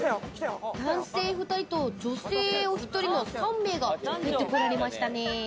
男性２人と女性お１人の３名が入ってこられましたね。